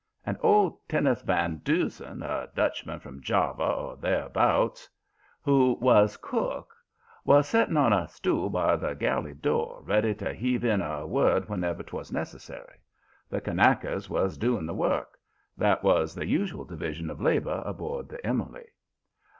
And old Teunis Van Doozen, a Dutchman from Java or thereabouts, who was cook, was setting on a stool by the galley door ready to heave in a word whenever 'twas necessary. The Kanakas was doing the work. That was the usual division of labor aboard the Emily.